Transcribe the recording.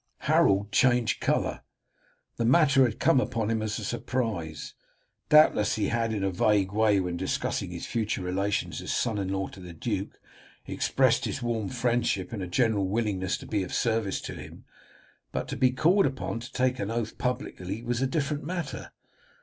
Harold changed colour. The matter had come upon him as a surprise. Doubtless he had in a vague way when discussing his future relations as son in law to the duke, expressed his warm friendship and a general willingness to be of service to him, but to be called upon to take an oath publicly was a different matter.